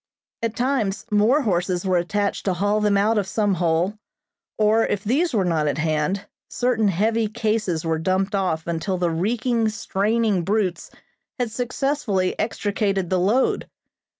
At times more horses were attached to haul them out of some hole, or if these were not at hand, certain heavy cases were dumped off until the reeking, straining brutes had successfully extricated the load.